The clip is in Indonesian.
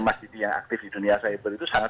mas didi yang aktif di dunia cyber itu sangat